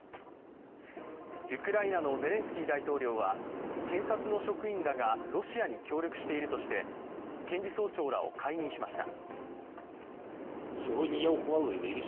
ウクライナのゼレンスキー大統領は検察の職員らがロシアに協力しているとして、検事総長らを解任しました。